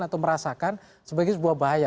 atau merasakan sebagai sebuah bahaya